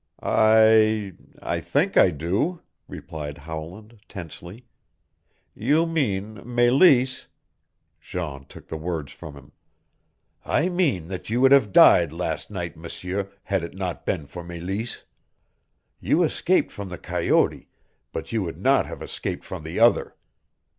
"I I think I do," replied Howland tensely. "You mean Meleese " Jean took the words from him. "I mean that you would have died last night, M'seur, had it not been for Meleese. You escaped from the coyote but you would not have escaped from the other.